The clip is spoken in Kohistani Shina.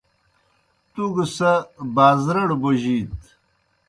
تُوْ گہ سہ بازرَڑ بوجِیت۔